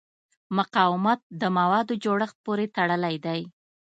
مقاومت د موادو جوړښت پورې تړلی دی.